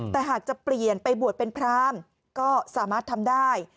แต่หากจะเปลี่ยนไปบวชเป็นพรามก็สามารถทำได้